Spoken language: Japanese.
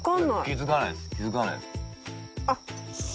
気づかないです。